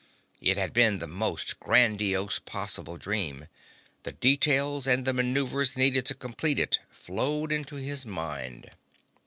It had been the most grandiose possible dream. The details and the maneuvers needed to complete it flowed into his mind.